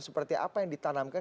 seperti apa yang ditanamkan